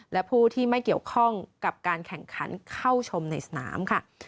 และผู้ที่ไม่เกี่ยวข้องกับการแข่งขันเข้าชมในสนามค่ะ